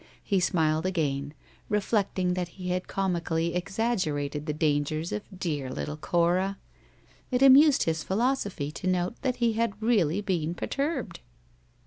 He smiled again, reflecting that he had comically exaggerated the dangers of dear little Cora. It amused his philosophy to note that he had really been perturbed.